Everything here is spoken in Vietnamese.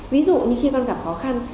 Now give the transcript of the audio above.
ví dụ như khi con gặp khó khăn